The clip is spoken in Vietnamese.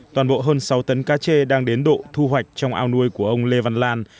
toàn bộ hơn sáu tấn cá chê đang đến độ thu hoạch trong ao nuôi của ông lê văn lan